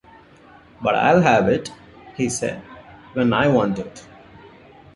‘But I’ll have it,’ he said, ‘when I want it'.